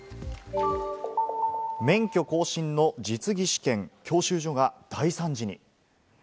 免許更新の実技試験、教習所が大惨事に。